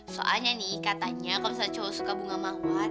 soalnya nih katanya kalau misalnya cowok suka bunga mahwar